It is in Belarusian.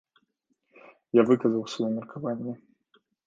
Я выказаў сваё меркаванне.